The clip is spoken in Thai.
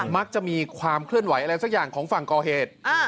มักจะมีความเคลื่อนไหวอะไรสักอย่างของฝั่งก่อเหตุ